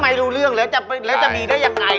ไม่รู้เรื่องแล้วจะมีได้ยังไง